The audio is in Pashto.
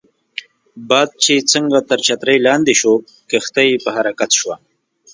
باد چې څنګه تر چترۍ لاندې شو، کښتۍ په حرکت شوه.